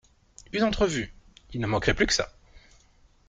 Une entrevue !… il ne manquerait plus que ça !…